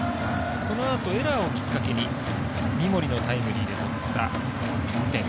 そのあと、エラーをきっかけに三森のタイムリーで取った１点。